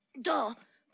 「どう？」